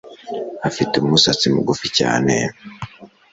Afite umusatsi mugufi cyane